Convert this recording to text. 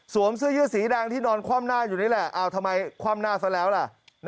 เสื้อยืดสีแดงที่นอนคว่ำหน้าอยู่นี่แหละทำไมคว่ำหน้าซะแล้วล่ะ